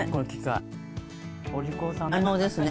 お利口さんだね。